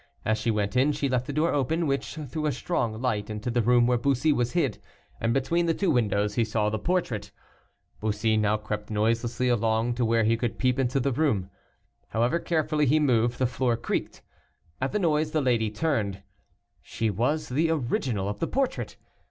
As she went in, she left the door open, which threw a strong light into the room where Bussy was hid, and between the two windows he saw the portrait. Bussy now crept noiselessly along to where he could peep into the room. However carefully he moved, the floor creaked. At the noise the lady turned, she was the original of the portrait.